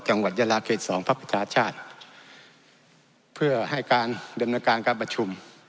จังหวัดยะลาเขต๒พระประชาชาติเพื่อให้การเดิมนาการการประชุม